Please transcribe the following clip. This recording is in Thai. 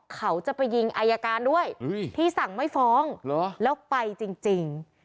เขาจะไปยิงอายการด้วยที่สั่งไม่ฟ้องแล้วไปจริง